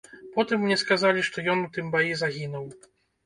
Потым мне сказалі, што ён у тым баі загінуў.